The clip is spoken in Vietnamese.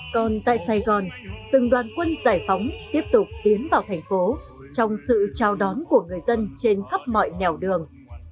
còn tại sài gòn từng đoàn quân giải phóng tiếp tục tiến vào thành phố trong sự chào đón của người dân trên khắp mọi nẻo đường